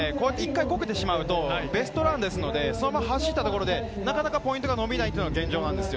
１回こけてしまうとベストランですので、そのまま走ったところでなかなかポイントが伸びないのが現状なんです。